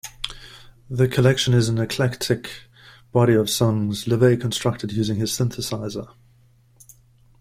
The collection is an eclectic body of songs LaVey constructed using his synthesizer.